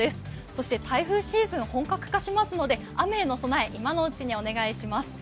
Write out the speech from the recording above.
そして台風シーズン本格化しますので、雨への備え今のうちにお願いします。